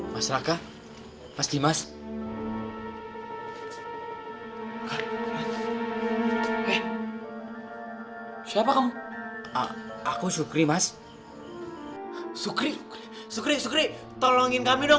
mas raka mas dimas eh siapa kamu aku syukri mas syukri syukri syukri tolongin kami dong